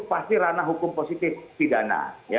pasti ranah hukum positif pidana